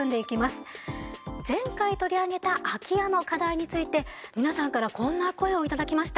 前回取り上げた空き家の課題について皆さんからこんな声を頂きました。